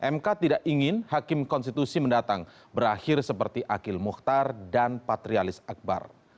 mk tidak ingin hakim konstitusi mendatang berakhir seperti akil muhtar dan patrialis akbar